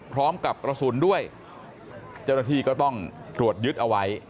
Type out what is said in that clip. พร้อมกับกระสุนด้วยเจ้าหน้าที่ก็ต้องตรวจยึดเอาไว้